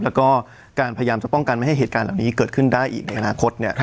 แล้วก็การพยายามจะป้องกันไม่ให้เหตุการณ์เหล่านี้เกิดขึ้นได้อีกในอนาคต